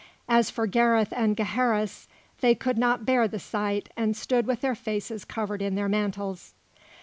As for Gareth and Gaheris, they could not bear the sight and stood with their faces covered in their mantles.